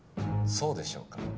そうでしょうか？